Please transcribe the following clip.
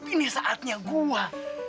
ini saatnya gue